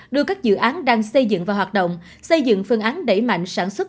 đưa các dự án đang xây dựng và hoạt động xây dựng phương án đẩy mạnh sản xuất